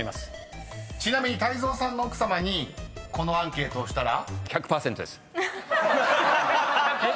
［ちなみに泰造さんの奥さまにこのアンケートをしたら？］